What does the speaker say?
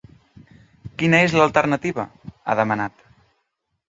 “Quina és l’alternativa?”, ha demanat.